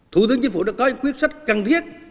thủ tướng chính phủ đã có những quyết sách cần thiết